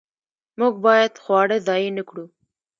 موږ باید خواړه ضایع نه کړو.